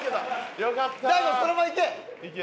大悟そのままいけ！